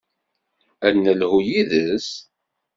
Ad d-nelhu yid-s.